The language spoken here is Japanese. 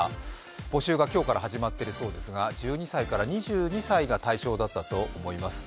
募集が今日から始まっているそうですが１２歳から２２歳が対象だったと思います。